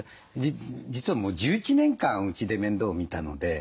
実はもう１１年間うちで面倒を見たので。